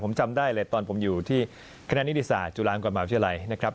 ผมจำได้เลยตอนผมอยู่ที่คณะนิทธิศาสตร์จุฬานก่อนมาวิชาไลน์นะครับ